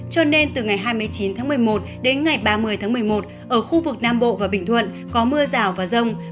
cho nên từ ngày hai mươi chín tháng một mươi một đến ngày ba mươi tháng một mươi một ở khu vực nam bộ và bình thuận có mưa rào và rông